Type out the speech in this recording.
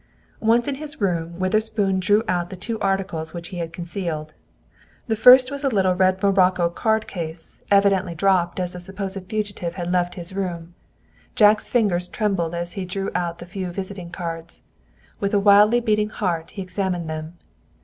Once in his room, Witherspoon drew out the two articles which he had concealed. The first was a little red morocco card case, evidently dropped as the supposed fugitive had left his room! Jack's fingers trembled as he drew out the few visiting cards. With a wildly beating heart he examined them.